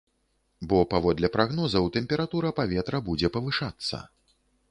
Бо, паводле прагнозаў, тэмпература паветра будзе павышацца.